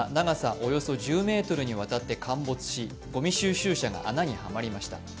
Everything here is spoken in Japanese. およそ１０ｍにわたって陥没しごみ収集車が穴にはまりました。